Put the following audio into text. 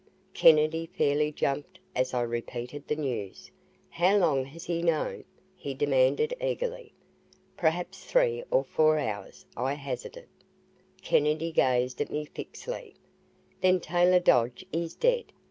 Kennedy fairly jumped as I repeated the news. "How long has he known?" he demanded eagerly. "Perhaps three or four hours," I hazarded. Kennedy gazed at me fixedly. "Then Taylor Dodge is dead!"